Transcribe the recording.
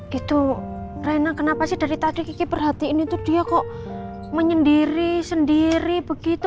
gitu rena kenapa sih dari tadi kiki perhatiin itu dia kok menyendiri sendiri begitu